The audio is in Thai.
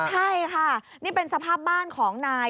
ใช่ค่ะนี่เป็นสภาพบ้านของนาย